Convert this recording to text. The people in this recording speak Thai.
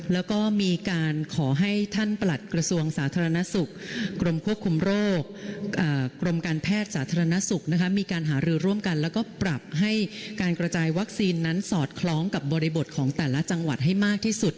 แล้วก็มีการขอให้ท่านประหลัดกระทรวงสาธารณสุขกรมควบคุมโรคกรมการแพทย์สาธารณสุขมีการหารือร่วมกันแล้วก็ปรับให้การกระจายวัคซีนนั้นสอดคล้องกับบริบทของแต่ละจังหวัดให้มากที่สุด